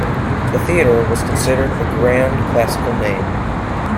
The Theatre was considered a grand classical name.